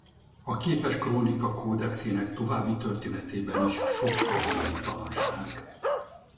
A Képes krónika kódexének további történetében is sok a bizonytalanság.